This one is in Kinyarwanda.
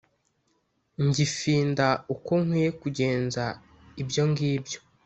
Ngifinda uko nkwiye Kugenza ibyo ngibyo